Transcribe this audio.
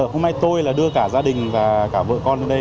hôm nay tôi đưa cả gia đình và cả vợ con lên đây